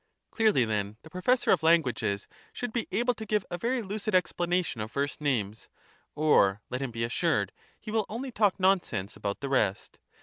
Clearly then the professor of languages should be able to give a very lucid explanation of first names, or let him be assured he will only talk nonsense about the rest.